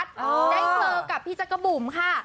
ได้เจอกับพี่จักรบุ๋มค่ะ